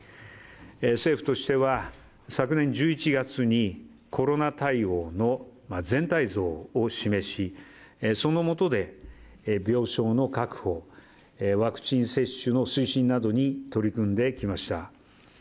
政府としては、昨年１１月にコロナ対応の全体像を示しそのもとで病床の確保、ワクチン接種の推進などに取り組んできました。